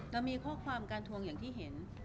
เรามีข้อความการทวงอย่างที่เห็น